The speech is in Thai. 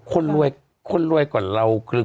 คนรวยกว่าเราคือ